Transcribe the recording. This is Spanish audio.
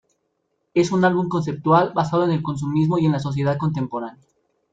Es un álbum conceptual basado en el consumismo y en la sociedad contemporánea.